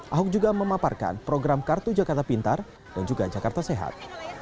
ahok juga memaparkan program kartu jakarta pintar dan juga jakarta sehat